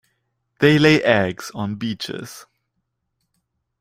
They lay eggs on beaches.